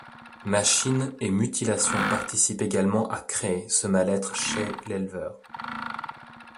Machines et mutilations participent également à créer ce mal-être cher l'éleveur.